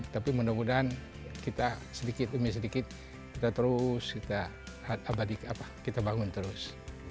tapi mudah mudahan kita sedikit demi sedikit kita terus kita bangun terus